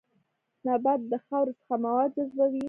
نبات د خاورې څخه مواد جذبوي